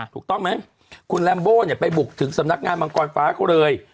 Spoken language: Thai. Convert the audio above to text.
ถูกต้องไหมคุณแรมโบ้เนี่ยไปบุกถึงสำนักงานมังกรฟ้าเขาเลย